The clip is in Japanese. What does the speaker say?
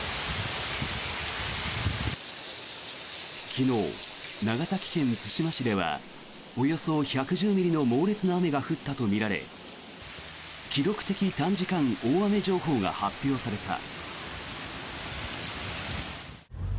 昨日、長崎県対馬市ではおよそ１１０ミリの猛烈な雨が降ったとみられ記録的短時間大雨情報が発表された。